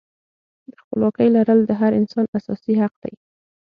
د خپلواکۍ لرل د هر انسان اساسي حق دی.